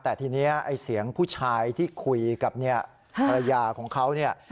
แต่ทีนี้ไอ้เสียงผู้ชายที่คุยกับเนี่ยภรรยาของเขาเนี่ย